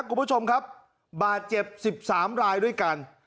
กลุ่มผู้ชมครับบาดเจ็บสิบสามรายด้วยกัน